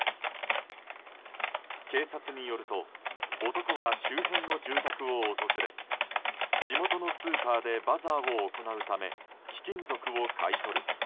警察によると男は周辺の住宅を訪れ地元のスーパーでバザーを行うため、貴金属を買い取る。